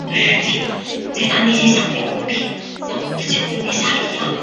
伦大国际课程在香港的历史悠久。